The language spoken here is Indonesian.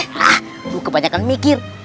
hah lu kebanyakan mikir